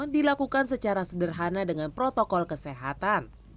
dilakukan secara sederhana dengan protokol kesehatan